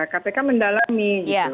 kpk mendalami gitu